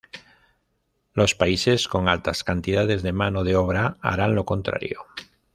Los países con altas cantidades de mano de obra harán lo contrario.